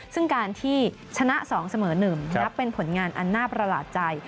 ซึ่งการที่ชนะ๒เสมอ๑นับเป็นผลงานอันน่าประหลาดใจ